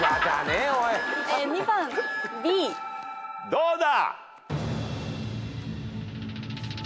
どうだ！？